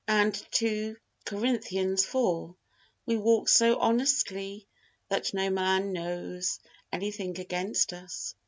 And II. Corinthians iv: "We walk so honestly that no man knows anything against us."